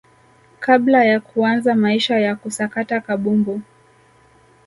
kabla ya kuanza maisha ya kusakata kabumbu